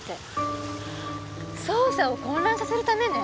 捜査を混乱させるためね。